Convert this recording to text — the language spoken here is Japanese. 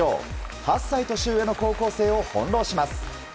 ８歳年上の高校生を翻弄します。